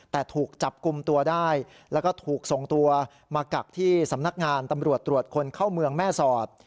แต่ถูกจับกลุ่มตัวได้แล้วก็ถูกส่งตัวมากักที่สำนักงานตำรวจตรวจคนเข้าเมืองแม่สอด